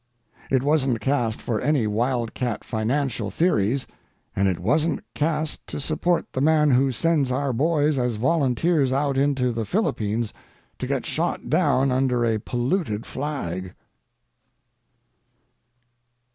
It wasn't cast for any wildcat financial theories, and it wasn't cast to support the man who sends our boys as volunteers out into the Philippines to get shot down under a polluted flag.